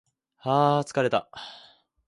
はー疲れた